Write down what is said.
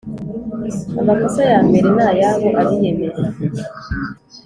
amakosa ya mbere ni ayabo abiyemeza,